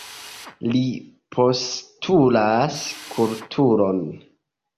Li postulas kulturon.